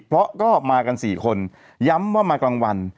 เพราะก็มากัน๔คนย้ำว่ามากลางวัน